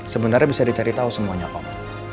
sebenarnya bisa dicari tahu semuanya pak